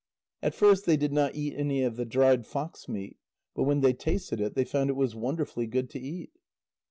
At first they did not eat any of the dried fox meat, but when they tasted it, they found it was wonderfully good to eat.